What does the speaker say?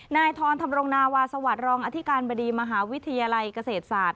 นายทรธรรมรงนาวาสวัสดิ์รองอธิการบดีมหาวิทยาลัยเกษตรศาสตร์